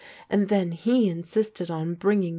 And then he insisted onbimgitvsM.